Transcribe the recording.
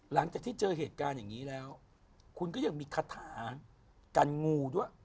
หลังจากที่เจอเหตุการณ์อย่างนี้แล้วคุณก็ยังมีคาถากันงูด้วย